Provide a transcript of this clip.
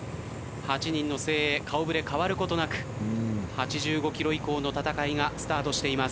８人の精鋭顔触れ変わることなく８５ｋｍ以降の戦いがスタートしています。